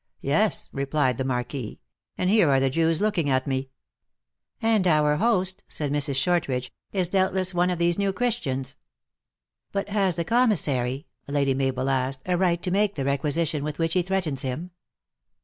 Yes, replied the marquis, and here are the Jews looking at me. "" And our host," said Mrs. Shortridge, "is doubt less one of these New Christians." "But has the commissary," Lady Mabel asked, " a right to make the requisition with which he threatens him?"